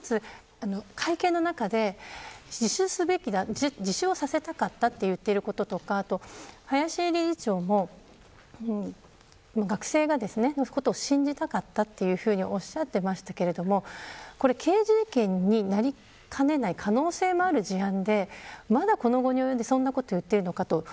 もう一つ、会見の中で自首すべきだ自首をさせたかったと言っていることとか林理事長も学生のことを信じたかったというふうにおっしゃってましたが刑事事件になりかねない可能性もある事案でまだこの期におよんでそんなことを言っているのかと。